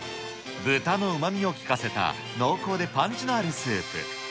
豚のうまみを利かせた濃厚でパンチのあるスープ。